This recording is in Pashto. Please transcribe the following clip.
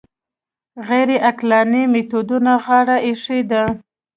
غیر عقلاني میتودونو غاړه ایښې ده